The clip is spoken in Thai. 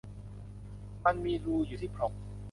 มันมีรูอยู่ที่พรม